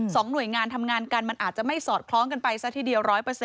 หน่วยงานทำงานกันมันอาจจะไม่สอดคล้องกันไปซะทีเดียว๑๐๐